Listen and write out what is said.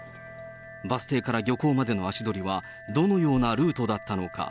バス停から漁港までの足取りはどのようなルートだったのか。